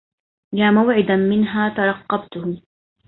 يا موعدا منها ترقبته